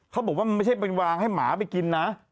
เขาบอกว่ามันไม่ใช่เป็นวางให้หมาไปกินนะ